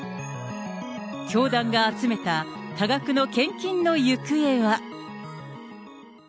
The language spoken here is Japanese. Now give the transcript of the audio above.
教団が集めた多額の献金の行方は。